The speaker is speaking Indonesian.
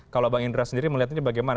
kalau bang indra sendiri melihat ini bagaimana